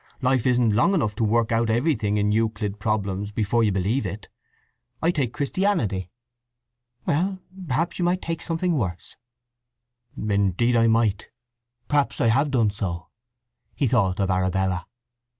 Life isn't long enough to work out everything in Euclid problems before you believe it. I take Christianity." "Well, perhaps you might take something worse." "Indeed I might. Perhaps I have done so!" He thought of Arabella.